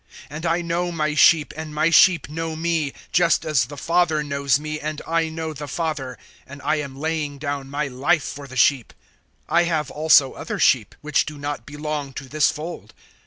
And I know my sheep and my sheep know me, 010:015 just as the Father knows me and I know the Father; and I am laying down my life for the sheep. 010:016 I have also other sheep which do not belong to this fold.